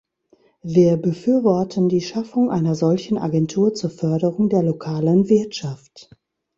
Wir befürworten die Schaffung einer solchen Agentur zur Förderung der lokalen Wirtschaft.